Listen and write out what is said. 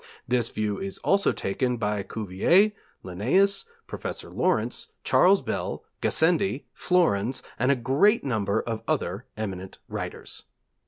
This view is also taken by Cuvier, Linnæus, Professor Lawrence, Charles Bell, Gassendi, Flourens, and a great number of other eminent writers.'